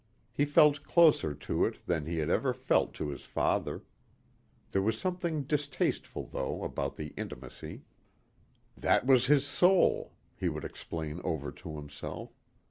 He felt closer to it than he had ever felt to his father. There was something distasteful, though, about the intimacy. "That was his soul," he would explain over to himself.